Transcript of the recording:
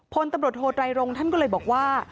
พลตำรวจโทไตรรงท่านก็เลยบอกว่า